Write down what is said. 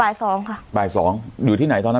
บ่าย๒ค่ะบ่าย๒อยู่ที่ไหน